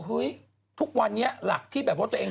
เฮ้ยทุกวันนี้หลักที่แบบว่าตัวเอง